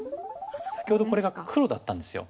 先ほどこれが黒だったんですよ。